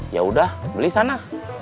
yaudah beli sana